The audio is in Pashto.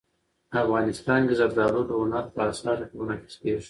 افغانستان کې زردالو د هنر په اثار کې منعکس کېږي.